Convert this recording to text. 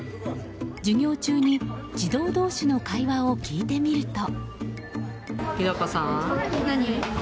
授業中に児童同士の会話を聞いてみると。